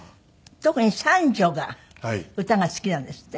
特に三女が歌が好きなんですって？